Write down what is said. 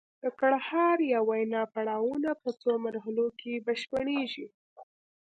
د ګړهار یا وینا پړاوونه په څو مرحلو کې بشپړیږي